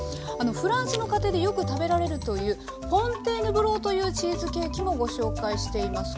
フランスの家庭でよく食べられるという「フォンテーヌブロー」というチーズケーキもご紹介しています。